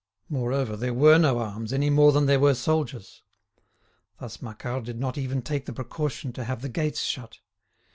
Moreover, there were no arms any more than there were soldiers. Thus Macquart did not even take the precaution to have the gates shut.